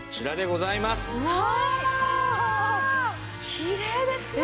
きれいですね。